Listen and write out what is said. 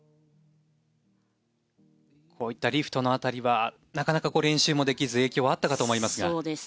こういったリフトの辺りはなかなか練習もできず影響はあったかと思いますが。